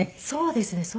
そうですね。